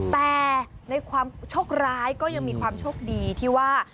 แต่ในความโชคร้ายก็ยังมีความโชคดีที่ว่า